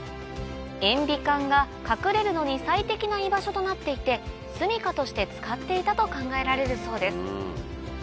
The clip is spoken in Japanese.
塩ビ管が隠れるのに最適な居場所となっていてすみかとして使っていたと考えられるそうです